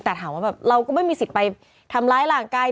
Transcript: แต่ถามว่าแบบเราก็ไม่มีสิทธิ์ไปทำร้ายร่างกาย